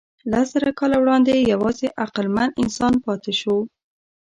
لسزره کاله وړاندې یواځې عقلمن انسان پاتې شو.